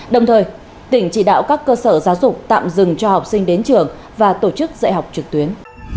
đồng thời tỉnh chỉ đạo các cơ sở giáo dục tạm dừng cho học sinh đến trường và tổ chức dạy học trực tuyến